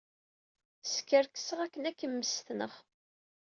Skerkseɣ akken ad k-mmestneɣ.